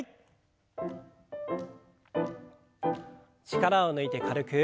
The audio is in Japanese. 力を抜いて軽く。